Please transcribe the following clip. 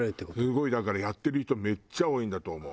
すごいだからやってる人めっちゃ多いんだと思う。